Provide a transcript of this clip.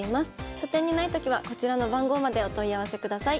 書店にないときはこちらの番号までお問い合わせください。